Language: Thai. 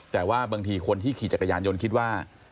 แต่ว่าบางทีคนที่ขี่จักรยานยนต์คิดว่า